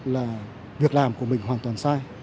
là việc làm của mình hoàn toàn sai